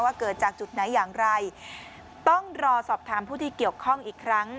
เกิดจากจุดไหนอย่างไรต้องรอสอบถามผู้ที่เกี่ยวข้องอีกครั้ง